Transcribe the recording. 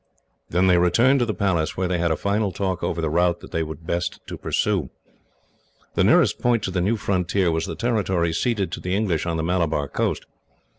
Then they returned to the Palace, where they had a final talk over the route that it would be best to pursue. The nearest point to the new frontier was the territory ceded to the English on the Malabar coast.